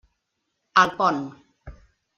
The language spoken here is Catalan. El Pont.